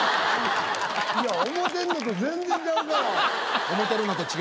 いや思ってんのと全然ちゃうから！